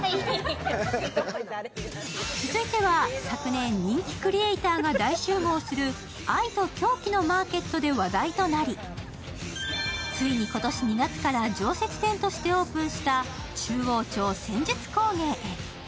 続いては昨年人気クリエイターが大集合する、愛と狂気のマーケットで話題となり、ついに今年２月から常設店としてオープンした中央町戦術工芸へ。